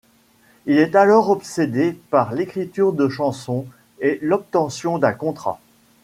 Il est alors obsédé par l'écriture de chansons et l'obtention d'un contrat.